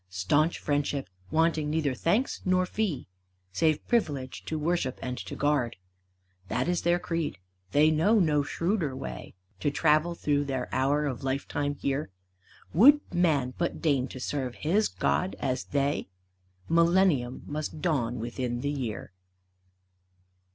Stanch friendship, wanting neither thanks nor fee Save privilege to worship and to guard: That is their creed. They know no shrewder way To travel through their hour of lifetime here. Would Man but deign to serve his God as they, Millennium must dawn within the year.